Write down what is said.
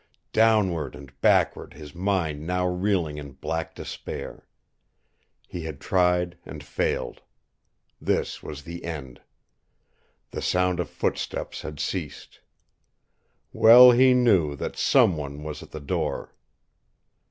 Downward and backward, his mind now reeling in black despair. He had tried and failed. This was the end. The sound of footsteps had ceased. Well he knew that some one was at the door.